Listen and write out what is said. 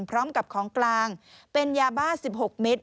พร้อมกับของกลางเป็นยาบ้า๑๖เมตร